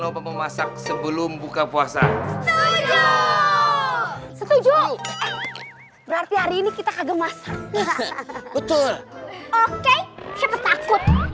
untuk memasak sebelum buka puasa setuju setuju berarti hari ini kita kaget masak